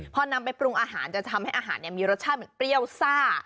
พอนำไปปรุงอาหารจะทำให้อาหารมีรสชาติเหมือนเปรี้ยวซ่า